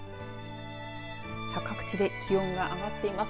さあ、各地で気温が上がっています。